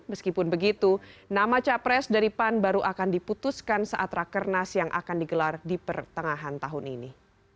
meskipun begitu nama capres dari pan baru akan diputuskan saat rakernas yang akan digelar di pertengahan tahun ini